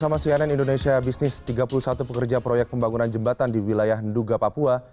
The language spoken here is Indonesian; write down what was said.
bersama cnn indonesia business tiga puluh satu pekerja proyek pembangunan jembatan di wilayah nduga papua